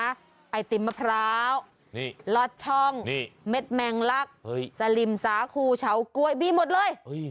ไอติมมะพร้าวลอดช่องเม็ดแมงลักสลิมสาคูเฉาก๊วยมีหมดเลย